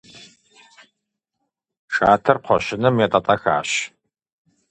Шатэр кхъуэщыным етӏэтӏэхащ.